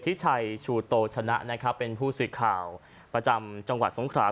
ทิศชัยชูโตชนะนะครับเป็นผู้สิทธิ์ข่าวประจำจังหวัดสมฆาษณ์